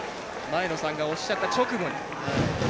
前野さんがおっしゃった直後に。